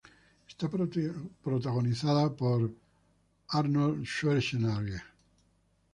Está protagonizada por Arnold Schwarzenegger.